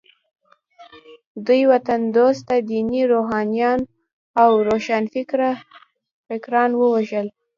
دوی وطن دوسته ديني روحانيون او روښانفکران ووژل.